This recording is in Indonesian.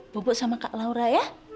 bubuk sama kak laura ya